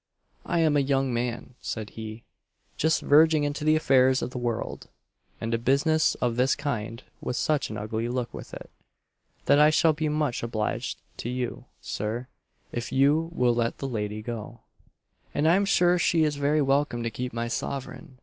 "I am a young man," said he, "just verging into the affairs of the world; and a business of this kind has such an ugly look with it, that I shall be much obliged to you, Sir, if you will let the lady go, and I am sure she is very welcome to keep my sovereign."